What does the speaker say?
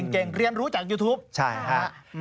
เก่งเรียนรู้จากยูทูปใช่ฮะ